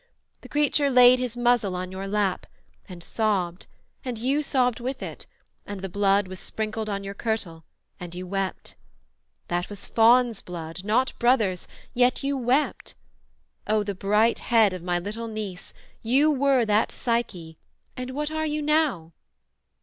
The creature laid his muzzle on your lap, And sobbed, and you sobbed with it, and the blood Was sprinkled on your kirtle, and you wept. That was fawn's blood, not brother's, yet you wept. O by the bright head of my little niece, You were that Psyche, and what are you now?'